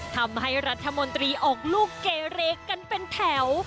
ทำให้รัฐมนตรีออกลูกเกเรกันเป็นแถว